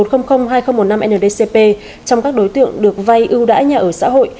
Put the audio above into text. theo nghị định một triệu hai nghìn một mươi năm nldcp trong các đối tượng được vai ưu đãi nhà ở xã hội